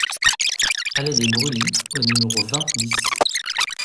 Allée des Brûlis au numéro vingt BIS